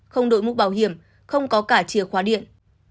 không đội mũ bảo hiểm không có cả chìa khóa điện